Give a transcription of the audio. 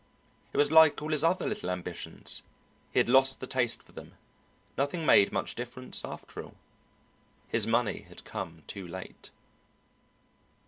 It was like all his other little ambitions he had lost the taste for them, nothing made much difference after all. His money had come too late.